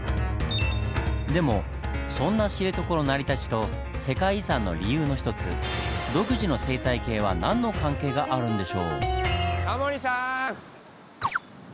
でもそんな知床の成り立ちと世界遺産の理由の一つ独自の生態系は何の関係があるんでしょう？